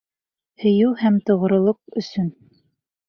Һөйөү һәм тоғролоҡ өсөн